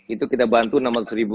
itu kita bantu enam ratus ribu